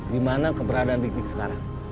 dimana keberadaan dik dik sekarang